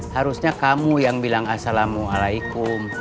harusnya kamu yang bilang assalamualaikum